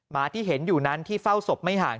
หมาที่เห็นอยู่นั้นที่เฝ้าศพไม่ห่าง